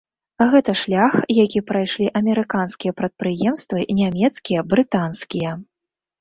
Гэта шлях, які прайшлі амерыканскія прадпрыемствы, нямецкія, брытанскія.